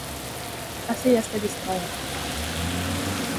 Así haste distraer.